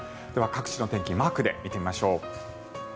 各地の天気マークで見てみましょう。